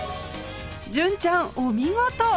純ちゃんお見事！